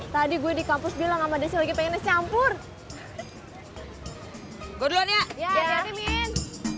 tadi gue di kampus bilang amat masih lagi pengen campur gua duluan ya ya ya min